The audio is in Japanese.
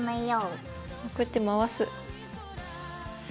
こうやって回す。